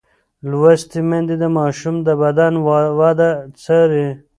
لوستې میندې د ماشوم د بدن وده څاري.